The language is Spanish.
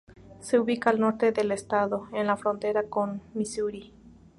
Se ubica al norte del estado, en la frontera con Misuri.